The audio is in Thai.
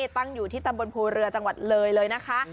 ตั้งอยู่ที่ตำบลภูเรือจังหวัดเลยเลยนะคะ